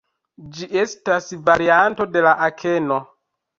Ĝi estas varianto de la akeno.